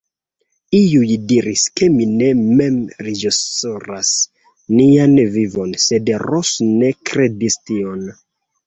Iuj diris, ke ni mem reĝisoras nian vivon, sed Ros ne kredis tion.